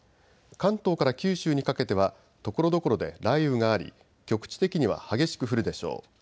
関東から九州にかけてはところどころで雷雨があり局地的には激しく降るでしょう。